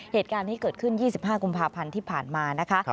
เหตุการณ์นี้เกิดขึ้น๒๕กุมภาพันธ์ที่ผ่านมานะคะ